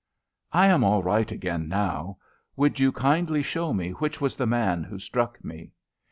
"I am all right again, now. Would you kindly show me which was the man who struck me?"